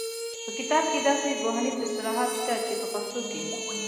په کتاب کې داسې ژبپوهنیز اصطلاحات شته چې په پښتو کې